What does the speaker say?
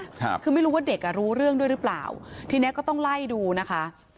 ครับคือไม่รู้ว่าเด็กอ่ะรู้เรื่องด้วยหรือเปล่าทีเนี้ยก็ต้องไล่ดูนะคะ